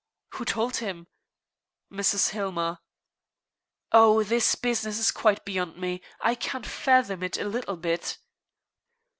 "Who told him?" "Mrs. Hillmer." "Oh, this business is quite beyond me. I can't fathom it a little bit."